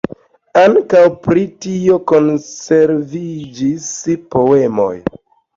Ankaŭ pri tio konserviĝis poemoj.